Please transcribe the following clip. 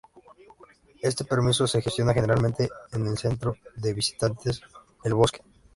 Este permiso se gestiona generalmente con el Centro de Visitantes El Bosque.